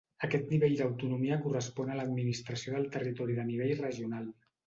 Aquest nivell d'autonomia correspon a l'administració del territori de nivell regional.